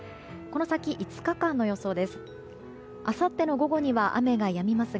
この先、５日間の予想です。